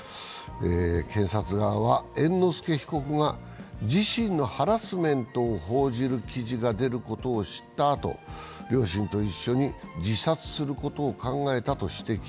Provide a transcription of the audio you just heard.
検察側は、猿之助被告が自身のハラスメントを報じる記事が出ることを知ったあと両親と一緒に自殺することを考えたと指摘。